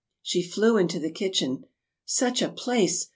She flew into the kitchen. Such a place!